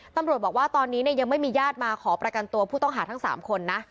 ตำรวจบอกว่าตอนนี้เนี่ยยังไม่มีญาติมาขอประกันตัวผู้ต้องหาทั้ง๓คนนะ